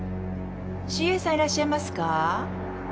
ＣＡさんいらっしゃいますか？